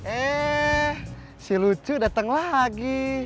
eh si lucu datang lagi